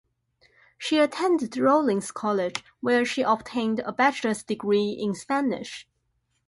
She attended Rollins College, where she obtained a bachelor's degree in Spanish.